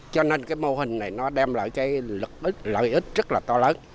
cho nên cái mô hình này nó đem lại cái lợi ích rất là to lớn